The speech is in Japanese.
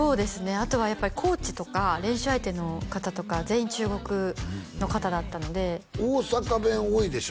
あとはやっぱりコーチとか練習相手の方とか全員中国の方だったので大阪弁多いでしょ？